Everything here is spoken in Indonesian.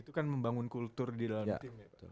itu kan membangun kultur di dalam tim